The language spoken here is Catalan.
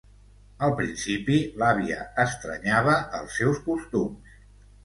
Al principi, l’àvia estranyava els seus costums.